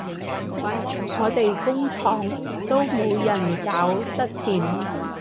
我哋工廠都冇人搞得掂